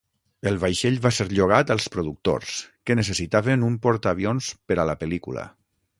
El vaixell va ser llogat als productors, que necessitaven un portaavions per a la pel·lícula.